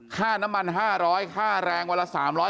ค่าน้ำมัน๕๐๐ค่าแรงวันละ๓๐๐